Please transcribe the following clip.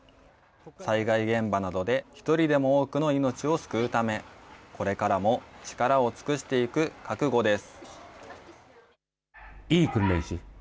災害現場などで１人でも多くの命を救うため、これからも力を尽くしていく覚悟です。